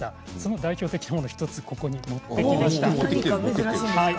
代表的なものを１つ持ってきました。